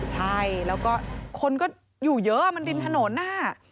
ใช่แล้วก็คนก็อยู่เยอะมันริมถนนน่ะ